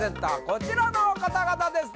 こちらの方々です